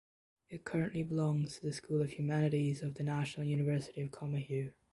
It currently belongs to the School of Humanities of the National University of Comahue.